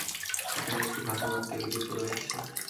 এখানে একটি ভাসমান তেল ডিপো রয়েছে।